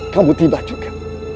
kamu tiba juga